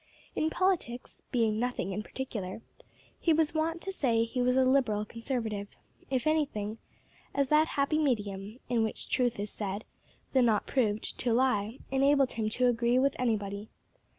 In politics, being nothing in particular, he was wont to say he was a Liberal Conservative, if anything, as that happy medium, in which truth is said, though not proved, to lie, enabled him to agree with anybody.